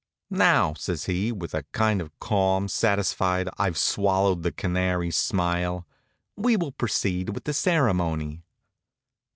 "Now," says he, with a kind of calm, satisfied I've swallowed the canary smile, "we will proceed with the ceremony."